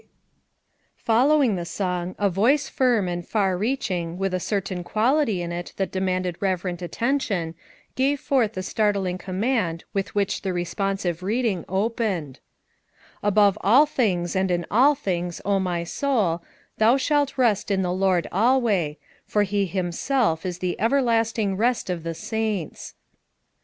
Following the song, a voice firm and far reaching with a certain quality in it that de manded reverent attention gave forth the startling command with which the responsive reading opened: "Above all things and in all things, my soul, thou shalt rest in the Lord alway, for he himself is the everlasting rest of the saints."